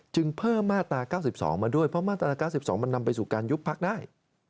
จึงเพิ่มมาตรา๙๒มาด้วยเพราะมาตรา๙๒จะทำงานยุบพักได้